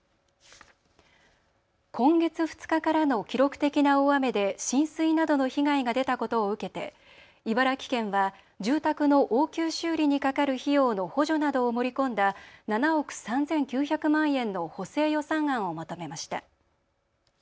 今月２日からの記録的な大雨で浸水などの被害が出たことを受けて茨城県は住宅の応急修理にかかる費用の補助などを盛り込んだ７億３９００万円の補正予算案をまとめました。